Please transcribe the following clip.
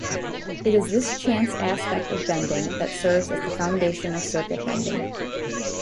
It is this chance aspect of bending that serves as the foundation of circuit-bending.